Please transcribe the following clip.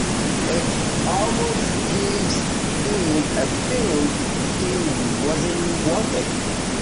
It almost gives him a feeling he wasn't wanted.